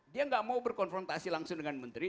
dia nggak mau berkonfrontasi langsung dengan menteri